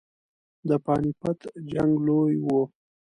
د پاني پټ جنګ لوی وو.